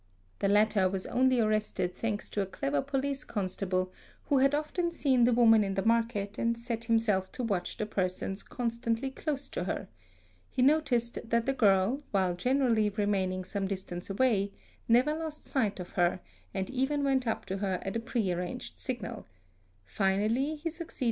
'The latter was only arrested thanks to a clever police constable ' who had often seen the Woman in the market and set himself to watch the persons constantly close to her; he noticed that the girl, while generally remaining some distance away, never lost sight of her and even went up to her at a prearranged signal; finally he succeeded in pees =_ ae senate at o BA <3 oo " ae.